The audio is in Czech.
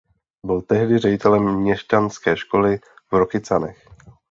Byl tehdy ředitelem měšťanské školy v Rokycanech.